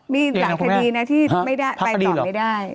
มีหลายคดีนะที่ไปตอบไม่ได้